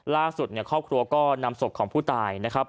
ล่าสุดเนี่ยครอบครัวก็นำศพของผู้ตายนะครับ